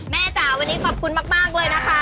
จ๋าวันนี้ขอบคุณมากเลยนะคะ